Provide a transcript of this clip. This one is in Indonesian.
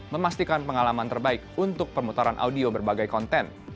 memastikan pengalaman terbaik untuk permutaran audio berbagai konten